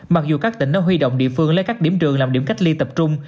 mặc dù các tỉnh đã huy động địa phương lấy các điểm trường làm điểm cách ly tập trung